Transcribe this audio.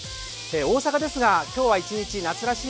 大阪ですが今日は一日夏らしい